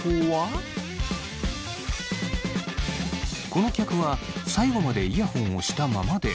この客は最後までイヤホンをしたままで。